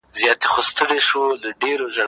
په څه ډول زیار او کوښښ د انسان ژوند بدلیږي؟